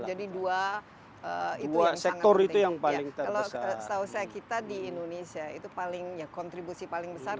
jadi dua dua sektor itu yang paling terbesar kita di indonesia itu palingnya kontribusi paling besar